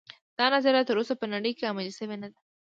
دا نظریه تر اوسه په نړۍ کې عملي شوې نه ده